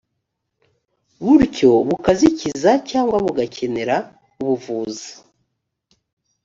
bityo bukazikiza cyangwa bugakenera ubuvuzi